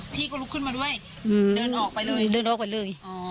พี่ก็ลุกขึ้นมาด้วยเดินออกไปเลยเดินออกไปเลย